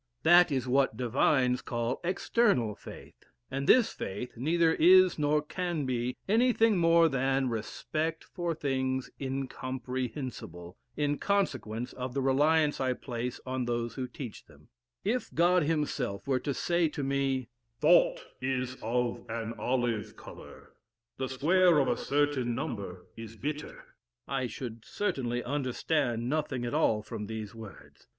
That is what divines call external faith; and this faith neither is, nor can be, anything more than respect for things incomprehensible, in consequence of the reliance I place on those who teach them; If God himself were to say to me, "Thought is of an olive colour;" "the square of a certain number is bitter;" I should certainly understand nothing at all from these words.